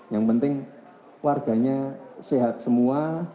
yang penting warganya sehat semua